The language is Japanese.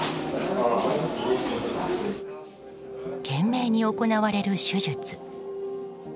懸命に行われる手術。